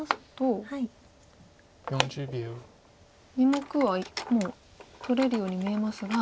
２目はもう取れるように見えますが。